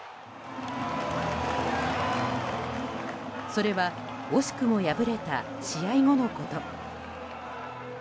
それは惜しくも敗れた試合後のこと。